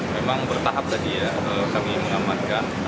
memang bertahap tadi ya kami mengamankan